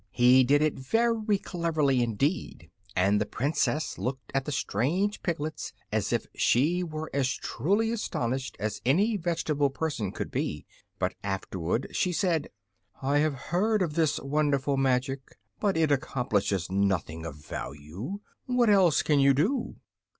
He did it very cleverly, indeed, and the Princess looked at the strange piglets as if she were as truly astonished as any vegetable person could be. But afterward she said: "I have heard of this wonderful magic. But it accomplishes nothing of value. What else can you do?"